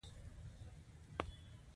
دریشي د ویناوالو لباس دی.